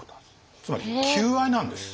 つまり求愛なんです。